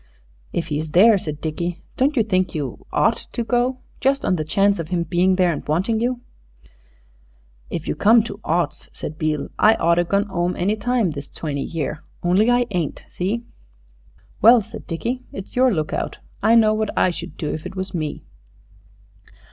"If he's there," said Dickie, "don't you think you ought to go, just on the chance of him being there and wanting you?" "If you come to oughts," said Beale, "I oughter gone 'ome any time this twenty year. Only I ain't. See?" "Well," said Dickie, "it's your lookout. I know what I should do if it was me."